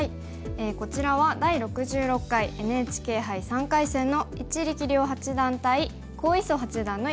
こちらは第６６回ＮＨＫ杯３回戦の一力遼八段対黄翊祖八段の一戦からです。